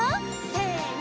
せの！